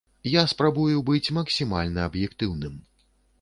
Я спрабую быць максімальна аб'ектыўным.